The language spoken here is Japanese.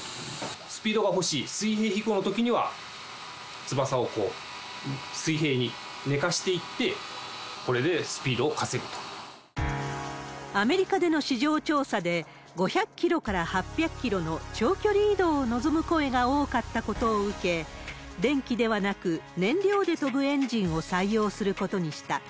スピードが欲しい水平飛行のときには翼を水平に寝かしていって、アメリカでの市場調査で、５００キロから８００キロの長距離移動を望む声が多かったことを受け、電気ではなく燃料で飛ぶエンジンを採用することにした。